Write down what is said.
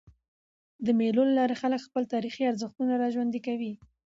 د مېلو له لاري خلک خپل تاریخي ارزښتونه راژوندي کوي.